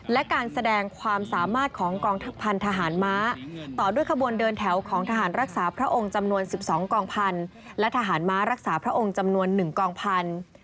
และการแสดงความสามารถของกองทัพพันธหารม้าต่อด้วยขบวนเดินแถวของทหารรักษาพระองค์จำนวน๑๒กองพันธุ์และทหารม้ารักษาพระองค์จำนวน๑กองพันธุ์